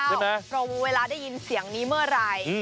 เพราะเวลาได้ยินเสียงนี้เมื่อไร